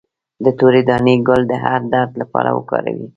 د تورې دانې ګل د هر درد لپاره وکاروئ